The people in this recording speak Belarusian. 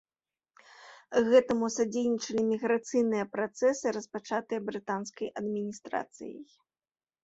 Гэтаму садзейнічалі міграцыйныя працэсы, распачатыя брытанскай адміністрацыяй.